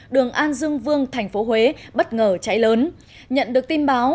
đường an dương vương tp huế bất ngờ cháy lớn nhận được tin báo